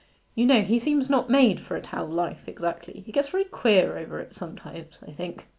You know, he seems not made for a town life exactly: he gets very queer over it sometimes, I think.